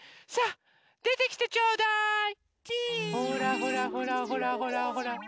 ほらほらほらほらほら。